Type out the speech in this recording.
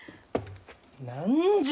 何じゃ！？